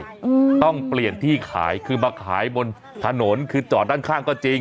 อืมต้องเปลี่ยนที่ขายคือมาขายบนถนนคือจอดด้านข้างก็จริง